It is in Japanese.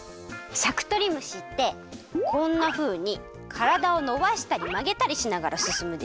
しゃくとりむしってこんなふうにからだをのばしたりまげたりしながらすすむでしょ？